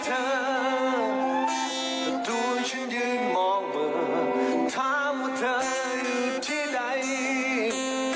เธอตัวฉันยืนมองเบอร์ถามว่าเธออยู่ที่ใด